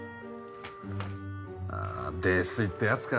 あぁ泥酔ってやつか？